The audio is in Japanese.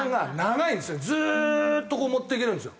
ずーっとこう持っていけるんですよ。